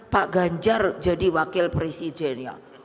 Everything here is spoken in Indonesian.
pak ganjar jadi wakil presiden